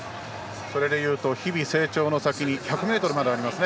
それでいうと日々、成長の先に１００ｍもありますね。